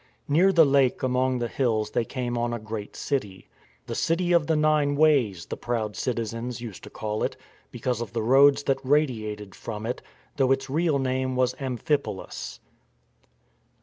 Near the lake among the hills they came on a great city. The City of the Nine Ways, the proud citizens used to call it because of the roads that radiated from it, though its real name was Amphipolis.